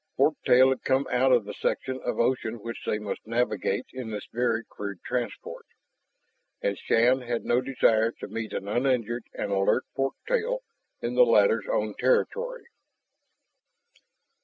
Fork tail had come out of the section of ocean which they must navigate in this very crude transport. And Shann had no desire to meet an uninjured and alert fork tail in the latter's own territory.